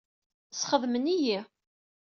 Sxedmen-iyi.